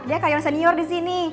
dia karyawan senior disini